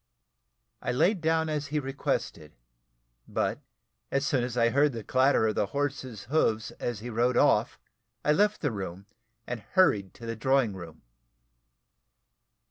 I lay down as he requested; but as soon as I heard the clatter of the horses hoofs, as he rode off, I left the room, and hurried to the drawing room.